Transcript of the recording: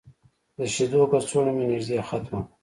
د شیدو کڅوړه مې نږدې ختمه وه.